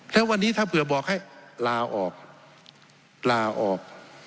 แล้ววันนี้ถ้าเผื่อบอกให้ลาออกลาออก